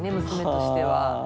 娘としては。